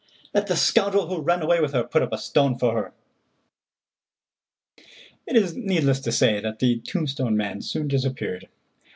Let the scoundrel who ran away with her put up a stone for her." It is needless to say that the tombstone man soon disappeared.